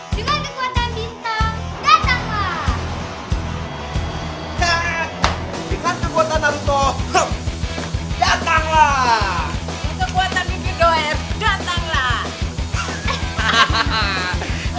bintang dengan kekuatan bintang datanglah